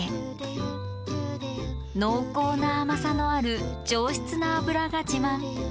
濃厚な甘さのある上質な脂が自慢。